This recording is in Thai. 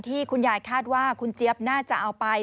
ที่คุณยายคาดว่าคุณเจี๊ยบน่าจะเอาไป